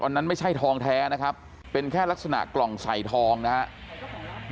นั้นไม่ใช่ทองแท้นะครับเป็นแค่ลักษณะกล่องใส่ทองนะครับ